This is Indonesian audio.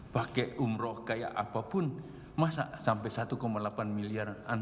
pakai umroh kayak apapun masa sampai satu delapan miliar